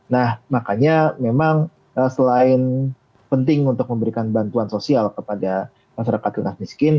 nah makanya memang selain penting untuk memberikan bantuan sosial kepada masyarakat kelas miskin